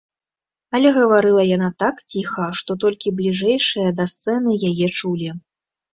Але гаварыла яна так ціха, што толькі бліжэйшыя да сцэны яе чулі.